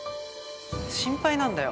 心配なんだよ。